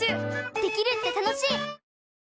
できるって楽しい！